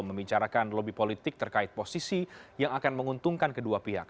membicarakan lobby politik terkait posisi yang akan menguntungkan kedua pihak